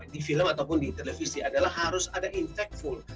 di film ataupun di televisi adalah harus ada impact full